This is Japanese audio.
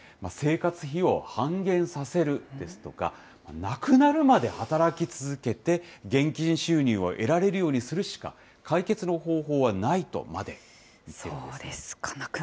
生活費を半減させるですとか、亡くなるまで働き続けて、現金収入を得られるようにするしか、解決の方法はないとまで言ってるんですね。